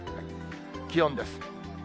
気温です。